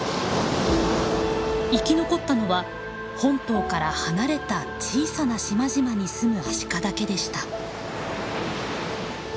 生き残ったのは本島から離れた小さな島々にすむアシカだけでした。